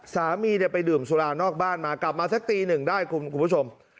สามีไปดื่มสุรานอกบ้านมากลับมาสักตีหนึ่งได้คุณผู้ชม